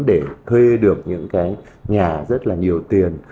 để thuê được những cái nhà rất là nhiều tiền